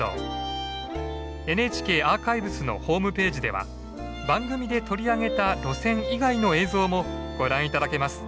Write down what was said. ＮＨＫアーカイブスのホームページでは番組で取り上げた路線以外の映像もご覧頂けます。